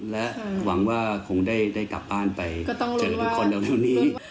และหวังว่าคงได้กลับบ้านไปเจอคนเดียวนี้